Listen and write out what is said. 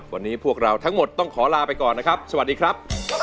วันนี้พวกเราทั้งหมดต้องขอลาไปก่อนนะครับสวัสดีครับ